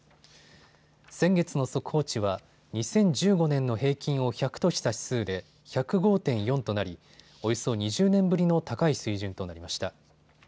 先月の速報値は２０１５年の平均を１００とした指数で１０５．４となりおよそ２０年ぶりの高い水準となりました。